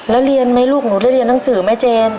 แล้วเรียนไหมลูกหนูได้เรียนหนังสือไหมเจน